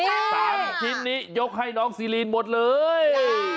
๓ชิ้นนี้ยกให้น้องซีรีนหมดเลย